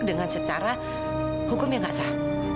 dengan secara hukum yang gak sah